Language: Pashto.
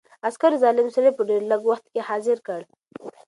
عسکرو ظالم سړی په ډېر لږ وخت کې حاضر کړ.